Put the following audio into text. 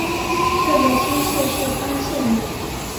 这个星系是发现的。